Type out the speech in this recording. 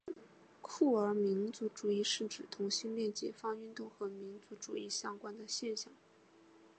酷儿民族主义是指同性恋解放运动和民族主义相关的现象。